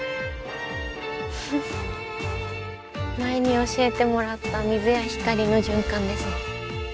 前に教えてもらった水や光の循環ですね。